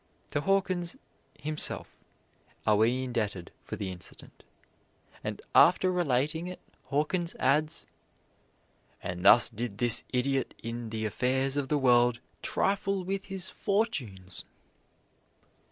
To Hawkins himself are we indebted for the incident, and after relating it Hawkins adds: "And thus did this idiot in the affairs of the world trifle with his fortunes!"